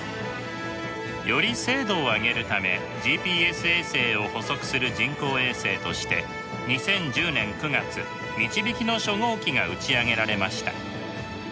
より精度を上げるためＧＰＳ衛星を補足する人工衛星として２０１０年９月みちびきの初号機が打ち上げられました。